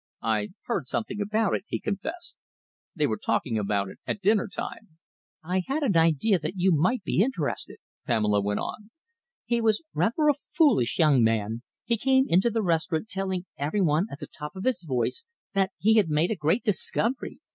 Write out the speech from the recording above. "I heard something about it," he confessed. "They were talking about it at dinner time." "I had an idea that you might be interested," Pamela went on. "He was rather a foolish young man. He came into the restaurant telling every one at the top of his voice that he had made a great discovery!